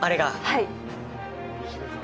はい。